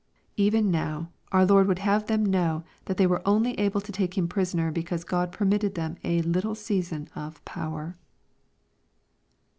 Even now, our Lord would have them know they were only able to take Him prisoner because God permitted them a little season of "power."